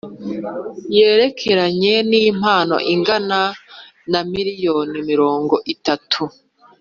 yerekeranye nimpano ingana na miliyoni mirongo itatu